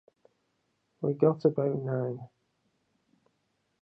We got about nine.